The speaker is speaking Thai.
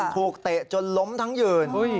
เตะจนล้มทั้งยืน